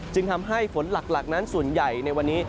จึงทำให้ฝนหลักนั้นส่วนใหญ่ในวันนี้